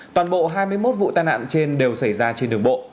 toàn bộ hai mươi một vụ tai nạn trên đều xảy ra trên đường bộ